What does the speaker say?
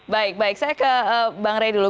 baik baik saya ke bang ray dulu